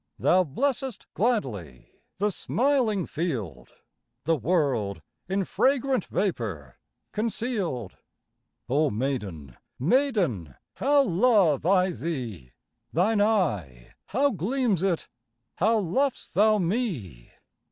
Thou blessest gladly The smiling field, The world in fragrant Vapour conceal'd. Oh maiden, maiden, How love I thee! Thine eye, how gleams it! How lov'st thou me!